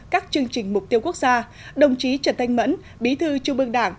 các chương trình mục tiêu quốc gia đồng chí trần thanh mẫn bí thư trung ương đảng